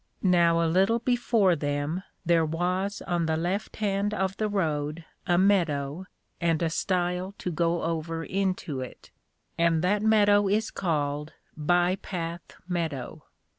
_ Now a little before them, there was on the left hand of the road a Meadow, and a Stile to go over into it, and that Meadow is called By path Meadow.